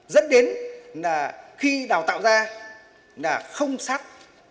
dẫn đến khi đào tạo ra là không sát